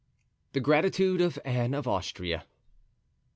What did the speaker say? The Gratitude of Anne of Austria.